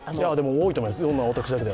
多いと思います。